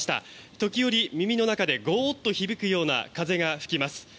時折、耳の中でゴーと響くような風が吹きます。